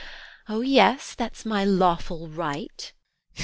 Oh yes, that's my lawful right.